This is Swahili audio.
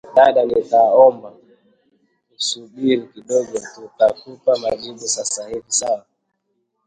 "Dada nitakuomba usubiri kidogo tutakupa majibu Sasa hivi…sawa